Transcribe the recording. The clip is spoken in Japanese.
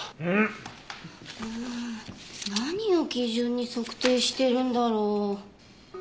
うん何を基準に測定してるんだろう？